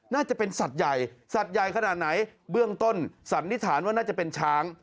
น่าจะเป็นสัตว์ใหญ่สัตว์ใหญ่ขนาดไหนเบื้องต้นสันนิษฐานว่าน่าจะเป็นช้าง